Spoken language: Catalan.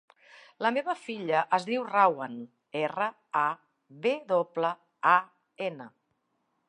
La meva filla es diu Rawan: erra, a, ve doble, a, ena.